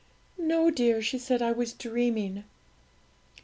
'No, dear,' she said; 'I was dreaming.'